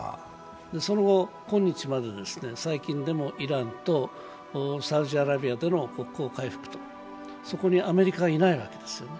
その後今日まで最近でもイランとサウジアラビアとの国交回復、そこにアメリカはいないわけです。